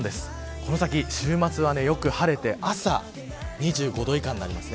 この先、週末はよく晴れて朝２５度以下になります。